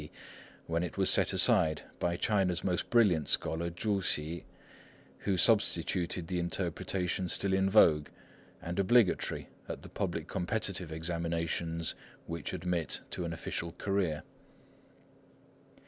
D., when it was set aside by China's most brilliant scholar, Chu Hsi, who substituted the interpretation still in vogue, and obligatory at the public competitive examinations which admit to an official career.